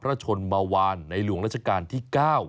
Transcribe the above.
ชนมาวานในหลวงราชการที่๙